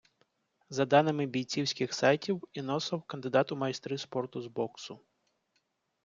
За даними бійцівський сайтів, Іносов - кандидат у майстри спорту з боксу.